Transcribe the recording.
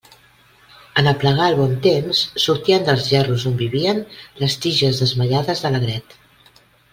En aplegar el bon temps, sortien dels gerros on vivien les tiges desmaiades de l'agret.